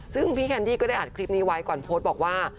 ซึ่งพี่แคนดี้ก็ได้อัดคลิปนี้ไว้ก่อนโพสต์บอกว่า